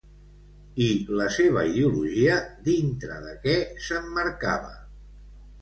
I la seva ideologia, dintre de què s'emmarcava?